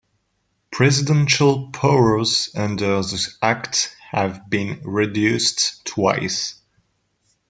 Presidential powers under the Act have been reduced twice.